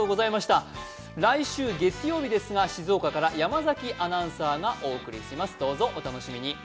来週月曜日ですが、静岡から山崎アナウンサーがお送りします、どうぞお楽しみに。